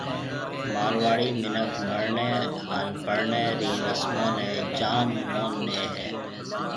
مارواڙي مِنک مرڻيَ ھان پرڻيَ رِي رسمون نيَ جام مون ڏَي ھيََََ